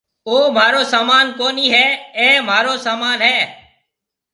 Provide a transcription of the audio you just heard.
او مهارو سامان ڪونَي هيَ اَي مهارو سامان هيَ۔